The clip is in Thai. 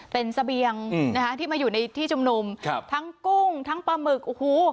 เป็นเสบียงนะคะที่มาอยู่ในที่ชุมนุมครับทั้งกุ้งทั้งปลาหมึกโอ้โห